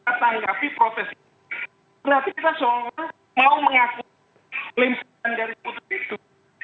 berarti kita seolah olah mau mengaku klaim sipadan dari kutub itu